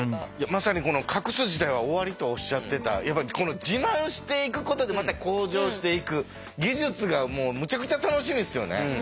まさにこの「隠す時代は終わり」とおっしゃってたこの自慢していくことでまた向上していく技術がもうむちゃくちゃ楽しみですよね。